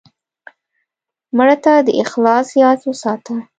مړه ته د اخلاص یاد وساته